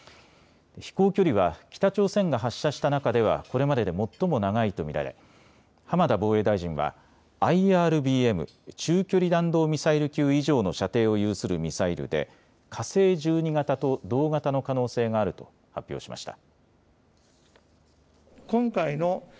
飛行距離は北朝鮮が発射した中ではこれまでで最も長いと見られ、浜田防衛大臣はＩＲＢＭ・中距離弾道ミサイル級以上の射程を有するミサイルで火星１２型と同型の可能性があると発表しました。